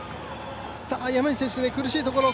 山西選手、苦しいところ。